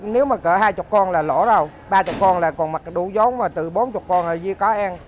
nếu mà cỡ hai mươi con là lỗ rồi ba mươi con là còn đủ giống mà từ bốn mươi con là dư có ăn